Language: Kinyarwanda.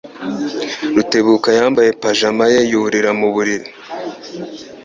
Rutebuka yambaye pajama ye yurira mu buriri.